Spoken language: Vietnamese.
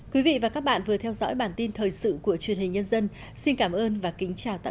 cảm ơn các bạn đã theo dõi